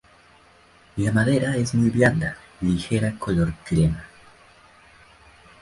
La madera es muy blanda, ligera color crema.